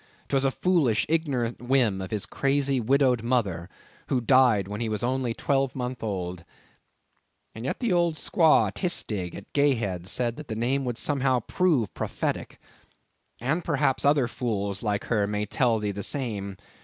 'Twas a foolish, ignorant whim of his crazy, widowed mother, who died when he was only a twelvemonth old. And yet the old squaw Tistig, at Gayhead, said that the name would somehow prove prophetic. And, perhaps, other fools like her may tell thee the same.